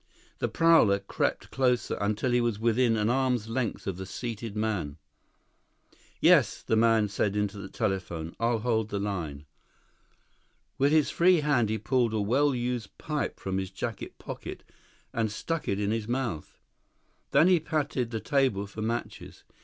The prowler crept closer until he was within an arm's length of the seated man. "Yes," the man said into the telephone. "I'll hold the line." With his free hand he pulled a well used pipe from his jacket pocket and stuck it in his mouth. Then he patted the table for matches.